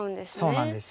そうなんです。